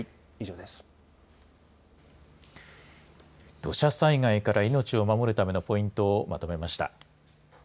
土砂災害から命を守るためのポイントをまとめました。